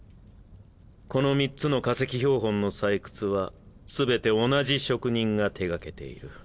この３つの化石標本の採掘は全て同じ職人が手掛けている。